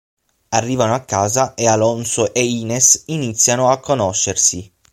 Arrivano a casa e Alonso e Inés iniziano a conoscersi.